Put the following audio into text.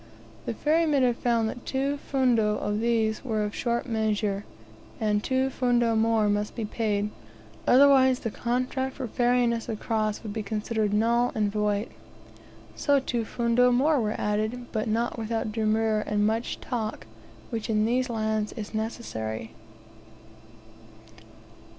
The ferrymen had found that two fundo of these were of short measure, and two fundo more must be paid, otherwise the contract for ferrying us across would be considered null and void. So two fundo more were added, but not without demur and much "talk," which in these lands is necessary.